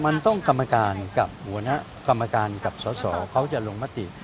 มันต้องกรรมการกับหัวหน้ากรรมการกับสอสอเขาจะลงมติ